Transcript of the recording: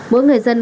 mỗi người dân